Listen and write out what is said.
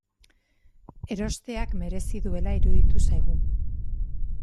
Erosteak merezi duela iruditu zaigu.